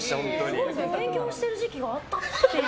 すごいね、勉強してる時期があったっていう。